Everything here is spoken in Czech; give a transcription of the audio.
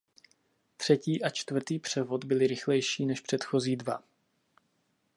Třetí a čtvrtý převod byly rychlejší než předchozí dva.